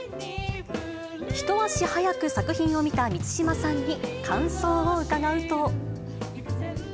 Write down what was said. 一足早く作品を見た満島さんに感想を伺うと。